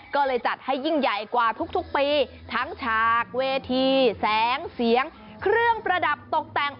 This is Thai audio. ก็เลยจัดให้ยิ่งใหญ่กว่าทุกปีทั้งฉากเวทีแสงเสียงเครื่องประดับตกแต่ง